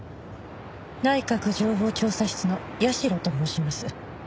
内閣情報調査室の社と申します。